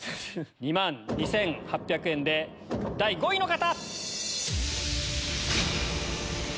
２万２８００円で第５位の方！